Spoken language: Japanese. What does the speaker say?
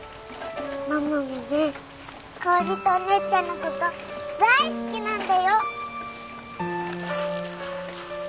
ママもねかおりとお姉ちゃんのことだい好きなんだよ！